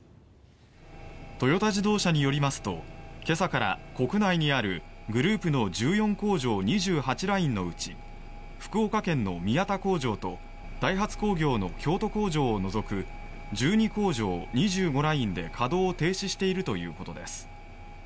トヨタ自動車によりますと今朝から国内にあるグループの１４工場２８ラインのうち福岡県の宮田工場とダイハツ工業の京都工場を除く１２工場２５ラインで稼働を停止しているということです。